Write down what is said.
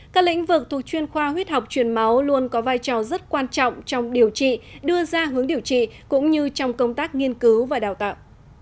các lĩnh vực thuộc chuyên khoa huyết học truyền máu luôn có vai trò rất quan trọng trong điều trị đưa ra hướng điều trị cũng như trong công tác nghiên cứu và đào tạo